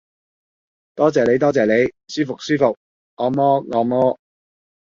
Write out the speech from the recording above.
多謝你多謝你，舒服舒服，按摩按摩